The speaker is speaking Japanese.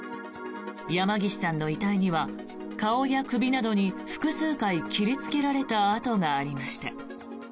山岸さんの遺体には顔や首などに複数回切りつけられた痕がありました。